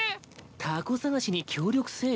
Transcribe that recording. タコ捜しに協力せい？